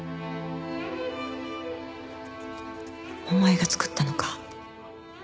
「お前が作ったのか？」